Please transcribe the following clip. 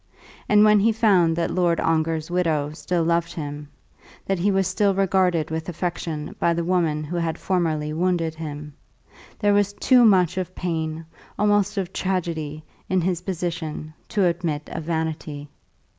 And when he found that Lord Ongar's widow still loved him, that he was still regarded with affection by the woman who had formerly wounded him, there was too much of pain, almost of tragedy, in his position, to admit of vanity.